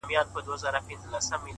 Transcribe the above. او که يې اخلې نو آدم اوحوا ولي دوه وه.